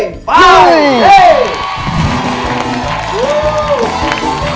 ชอบพ่อฟัสพ่อเหวียนกันนะ